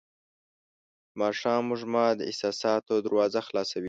د ماښام وږمه د احساساتو دروازه خلاصوي.